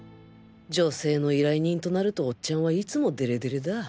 女性の依頼人となるとおっちゃんはいつもデレデレだ。